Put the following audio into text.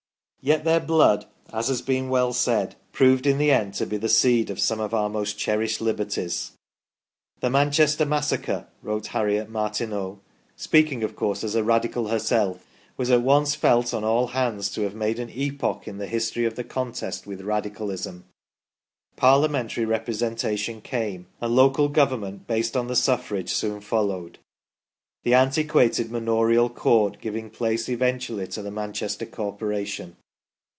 Yet their blood, as has been well said, proved in the end to be the seed of some of our most cherished liberties. " The Manchester massacre," wrote Harriet Martineau, speaking, of course, as a Radical herself, " was at once felt on all hands to have made an epoch in the history of the contest with Radicalism ". Parliamentary Representa tion came, and Local Government based on the Suffrage soon followed, the antiquated manorial Court giving place eventually to the Manchester Corporation.